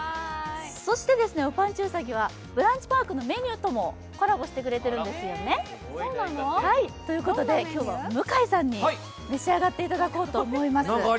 そして、おぱんちゅうさぎはＢＲＵＮＣＨＰＡＲＫのメニューともコラボしてくれてるんですよね。ということで今日は向井さんに召し上がっていただこうと思います。